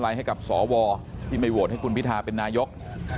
ให้กับสวที่ไม่โหวตให้คุณพิทาเป็นนายก